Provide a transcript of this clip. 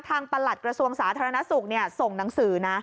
ประหลัดกระทรวงสาธารณสุขส่งหนังสือนะ